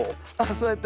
そうやって。